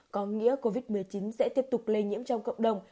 có nghĩa covid một mươi chín sẽ tiếp tục lây nhiễm trong cộng đồng